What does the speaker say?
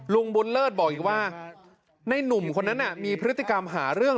ลุงบุญเลิศบอกอีกว่าในหนุ่มคนนั้นมีพฤติกรรมหาเรื่อง